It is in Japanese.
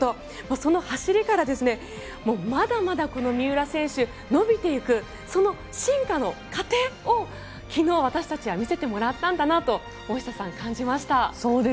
その走りからまだまだ三浦選手、伸びていくその進化の過程を昨日私たちは見せてもらったんだなと感じました。